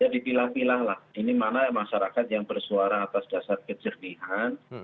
jadi pilih pilih lah ini mana masyarakat yang bersuara atas dasar kejernihan